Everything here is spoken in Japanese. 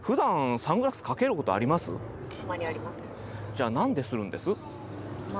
じゃあ何でするんです？